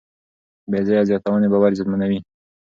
بېځایه زیاتونې باور زیانمنوي.